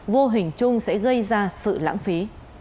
vô hình chung sẽ gây ra sự lãng phí